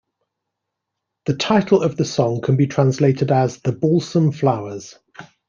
The title of the song can be translated as "The Balsam Flowers".